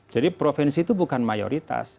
jadi provinsi itu bukan mayoritas